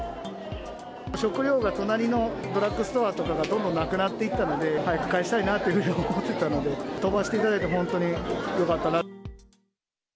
食料が隣のドラッグストアとかがどんどんなくなっていったので、早く帰したいなというふうには思ってたので、飛ばしていただいて本当によかったな。